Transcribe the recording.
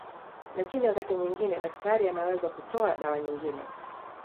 Lakini wakati mwingine daktari anaweza kutoa dawa nyinine